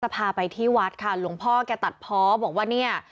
พาไปที่วัดค่ะหลวงพ่อแกตัดเพาะบอกว่าเนี่ย